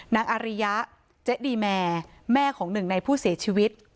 อาริยะเจ๊ดีแมร์แม่ของหนึ่งในผู้เสียชีวิต